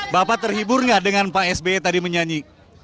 bapak terhibur gak dengan pak sbi tadi menyanyi